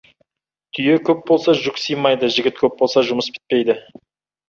Түйе көп болса, жүк сыймайды, жігіт көп болса, жұмыс бітпейді.